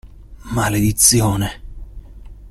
Maledizione!